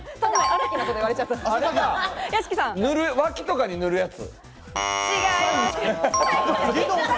脇とかに塗るやつ。